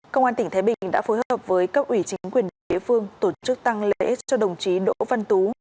công an tỉnh thái bình đã phối hợp với cấp ủy chính quyền địa phương tổ chức tăng lễ cho đồng chí đỗ văn tú